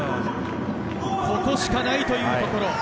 ここしかないというところ。